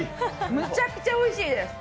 むちゃくちゃおいしいです。